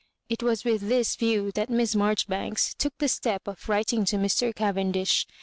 It was with this view that Misa Marjoribanks took the step of writing to Mr. Cavendish.